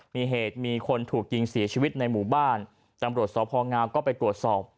มีเหตุมีคนถูกยิงเสียชีวิตในหมู่บ้านตำรวจสพงก็ไปตรวจสอบ